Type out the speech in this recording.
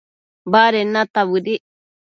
baded neta bëdic